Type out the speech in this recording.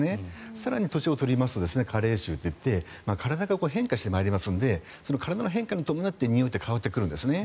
更に年を取りますと加齢臭といって体が変化してまいりますので体の変化に伴ってにおいって変わってくるんですね。